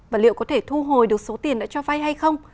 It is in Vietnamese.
và liệu có thể thu hồi được số tiền đã cho vay hay không